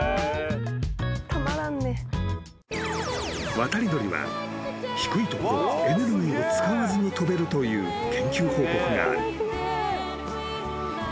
［渡り鳥は低いところはエネルギーを使わずに飛べるという研究報告がある］